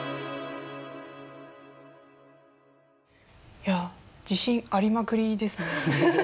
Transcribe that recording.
いや自信ありまくりですね。